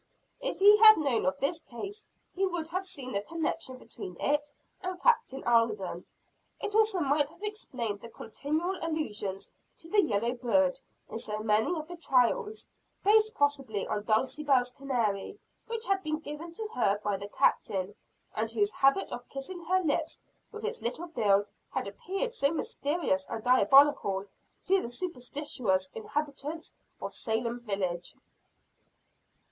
If he had known of this case, he would have seen the connection between it and Captain Alden. It also might have explained the continual allusions to the "yellow bird" in so many of the trials based possibly on Dulcibel's canary, which had been given to her by the Captain, and whose habit of kissing her lips with its little bill had appeared so mysterious and diabolical to the superstitious inhabitants of Salem village.